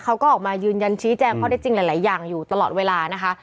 เขาก็ออกมายืนยันชี้แจงข้อได้จริงหลายอย่างอยู่ตลอดเวลานะคะ